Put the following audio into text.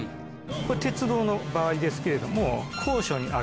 これ鉄道の場合ですけれども。